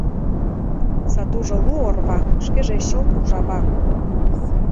Сатужо лу орва, шкеже чылт ужава.